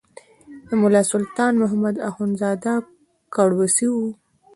د ملا سلطان محمد اخندزاده کړوسی و.